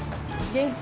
元気。